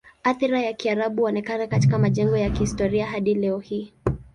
Athira ya Kiarabu huonekana katika majengo ya kihistoria hadi leo hii.